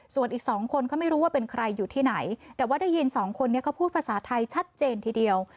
ส่วนอีกสองคนเขาไม่รู้ว่าเป็นใครอยู่ที่ไหนแต่ว่าได้ยินสองคนนี้เขาพูดภาษาไทยชัดเจนทีเดียว